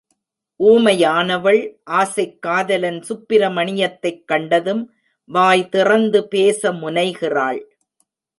ஊமையானவள் ஆசைக் காதலன் சுப்பிரமணியத்தைக் கண்டதும், வாய் திறந்து பேச முனைகிறாள்.